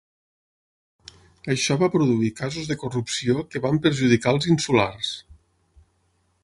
Això va produir casos de corrupció que van perjudicar els insulars.